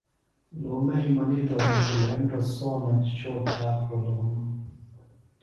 لُومئی منِیتوۡ ہنوۡ کیۡ لھیۡنڈوۡ سونہ شو چاخ بِھلوۡ ہنوۡ